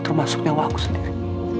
termasuk nyawa aku sendiri